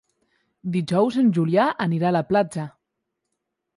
Dijous en Julià anirà a la platja.